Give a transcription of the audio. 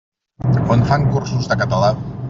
On fan cursos de català?